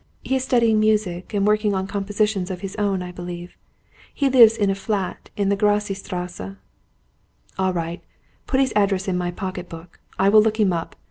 He is studying music, and working on compositions of his own, I believe. He lives in a flat in the Grassi Strasse." "All right. Put his address in my pocket book. I will look him up.